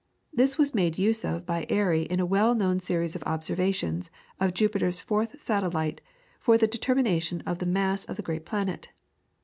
This was made use of by Airy in a well known series of observations of Jupiter's fourth satellite for the determination of the mass of the great planet.